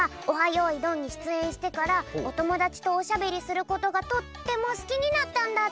よいどん」にしゅつえんしてからおともだちとおしゃべりすることがとってもすきになったんだって。